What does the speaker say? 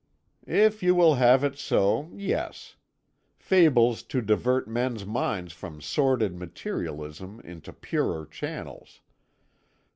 "If you will have it so, yes. Fables to divert men's minds from sordid materialism into purer channels.